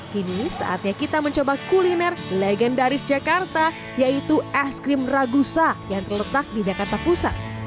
kini saatnya kita mencoba kuliner legendaris jakarta yaitu es krim ragusa yang terletak di jakarta pusat